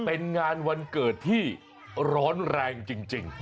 เป็นงานวันเกิดที่ร้อนแรงจริง